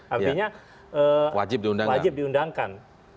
artinya wajib diundangkan